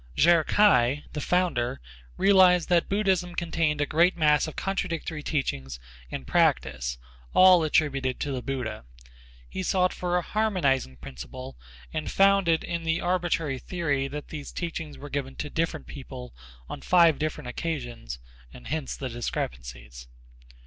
Chih K'ai, the founder, realized that Buddhism contained a great mass of contradictory teachings and practice, all attributed to the Buddha. He sought for a harmonizing principle and found it in the arbitrary theory that these teachings were given to different people on five different occasions and hence the discrepancies.